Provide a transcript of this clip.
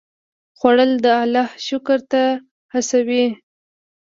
خوړل د الله شکر ته هڅوي